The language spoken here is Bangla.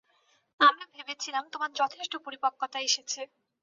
আমি ভেবেছিলাম তোমার যথেষ্ট পরিপক্কতা এসেছে।